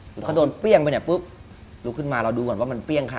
หรือเขาโดนเปรี้ยงไปปุ๊บลุกขึ้นมาเราดูเหมือนว่ามันเปรี้ยงค่ะ